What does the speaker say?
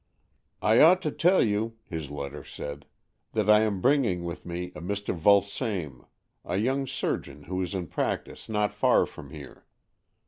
" I ought to tell you," his letter said, " that I am bringing with me a Mr. Vulsame, a young surgeon who is in practice not far from here.